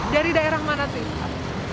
dari daerah mana sih